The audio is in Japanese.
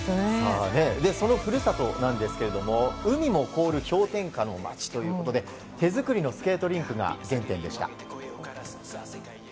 その故郷なんですけれども海も凍る氷点下の町ということで手作りのスケートリンクが原点でした。